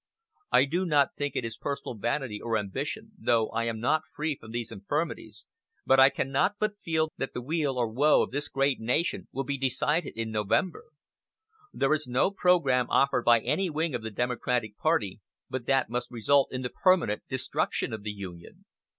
I do not think it is personal vanity or ambition, though I am not free from these infirmities, but I cannot but feel that the weal or woe of this great nation will be decided in November. There is no program offered by any wing of the Democratic party but that must result in the permanent destruction of the Union."